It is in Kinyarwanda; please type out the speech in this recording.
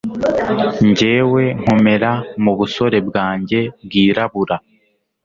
njyewe nkomera mubusore bwanjye bwirabura